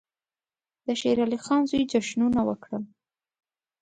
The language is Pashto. د شېر علي خان زوی جشنونه وکړل.